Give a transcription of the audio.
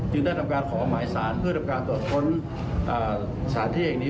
ได้ทำการขอหมายสารเพื่อทำการตรวจค้นสถานที่แห่งนี้